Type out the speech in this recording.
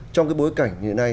trong cái bối cảnh như thế này